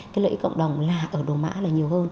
cái lợi ích cộng đồng là ở đô mã là nhiều hơn